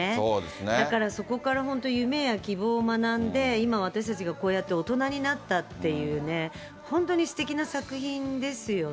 だからそこから本当、夢や希望を学んで、今、私たちがこうやって大人になったっていうね、本当にすてきな作品ですよね。